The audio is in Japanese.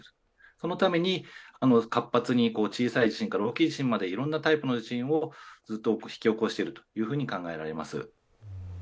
そのために活発に小さい地震から大きい地震までいろんなタイプの地震をずっと引き起こしていると考えられます。